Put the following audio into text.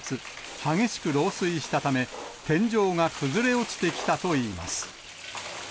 激しく漏水したため、天井が崩れ落ちてきたといいます。